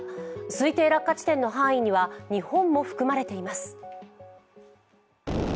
推定落下地点の範囲には日本も含まれています。